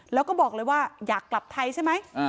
แล้วก็บอกเลยว่าอยากกลับไทยใช่ไหม